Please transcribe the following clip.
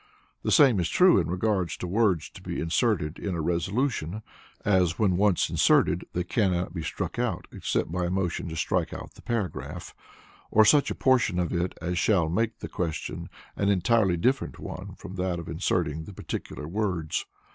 The same is true in regard to words to be inserted in a resolution, as when once inserted they cannot be struck out, except by a motion to strike out the paragraph, or such a portion of it as shall make the question an entirely different one from that of inserting the particular words.